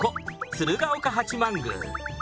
鶴岡八幡宮。